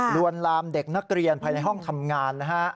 รวรรมเด็กนักเรียนไปในห้องทำงาน